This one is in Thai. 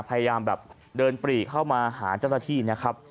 พยายามแบบเดินปรีเข้ามาหาเจ้าหน้าที่นะครับ